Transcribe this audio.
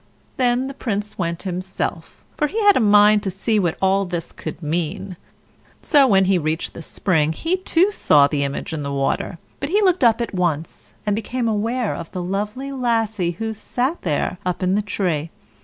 Then the Prince went himself, for he had a mind to see what all this could mean. So, when he reached the spring, he too saw the image in the water; but he looked up at once, and became aware of the lovely Lassie who sate there up in the tree.